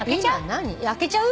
開けちゃう？